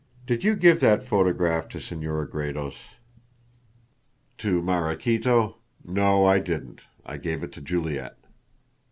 Did you give that photograph to Senora Gredos?" "To Maraquito. No, I didn't. I gave it to Juliet."